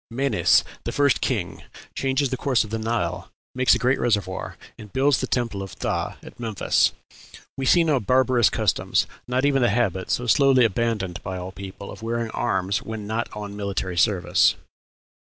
Menes, the first king, changes the course of the Nile, makes a great reservoir, and builds the temple of Phthah at Memphis.... We see no barbarous customs, not even the habit, so slowly abandoned by all people, of wearing arms when not on military service."